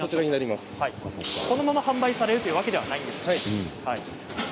このまま販売されるわけではないんですね。